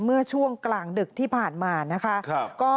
เมื่อช่วงกลางดึกที่ผ่านมานะคะ